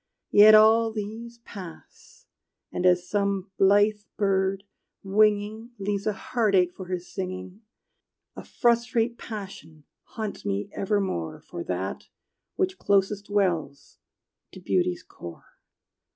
Yet all these pass, and as some blithe bird, winging, Leaves a heart ache for his singing, A frustrate passion haunts me evermore For that which closest dwells to beauty's core.